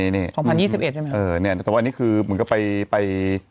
เออเนี่ยแต่ว่าอันนี้คือเหมือนกับไป